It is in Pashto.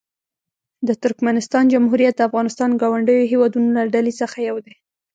د ترکمنستان جمهوریت د افغانستان ګاونډیو هېوادونو له ډلې څخه یو دی.